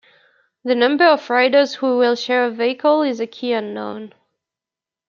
The number of riders who will share a vehicle is a key unknown.